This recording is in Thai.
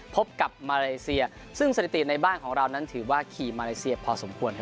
พบกับมาเลเซียซึ่งสถิติในบ้านของเรานั้นถือว่าขี่มาเลเซียพอสมควร